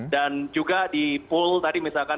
dan juga di pool tadi misalkan